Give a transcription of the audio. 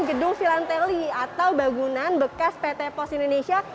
gedung filantelli atau bangunan bekas pt post indonesia